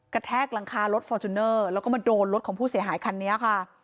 แทกหลังคารถฟอร์จูเนอร์แล้วก็มาโดนรถของผู้เสียหายคันนี้ค่ะ